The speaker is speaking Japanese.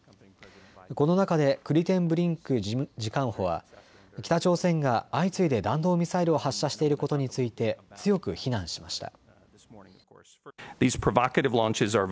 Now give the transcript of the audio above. この中でクリテンブリンク次官補は北朝鮮が相次いで弾道ミサイルを発射していることについて強く非難しました。